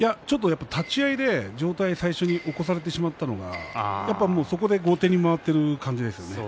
立ち合いで上体、起こされてしまったのがそこで後手に回っている感じです。